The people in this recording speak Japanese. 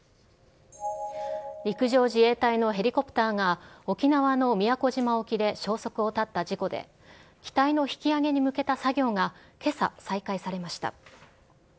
陸上自衛隊のヘリコプターが沖縄の宮古島沖で消息を絶った事故で、機体の引き揚げに向けた作業がけさ、再開されました。